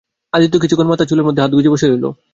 আদিত্য কিছুক্ষণ মাথার চুলের মধ্যে হাত গুঁজে বসে রইল।